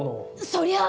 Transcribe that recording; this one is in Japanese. そりゃあ